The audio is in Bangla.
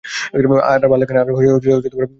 আর ভাল্লাগে না।